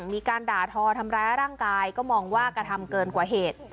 มีการด่าทอทำร้ายร่างกายก็มองว่ากระทำเกินกว่าเหตุ